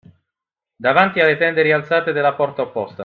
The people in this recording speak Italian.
Davanti alle tende rialzate della porta opposta